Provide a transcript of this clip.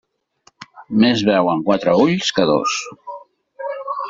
Més veuen quatre ulls que dos.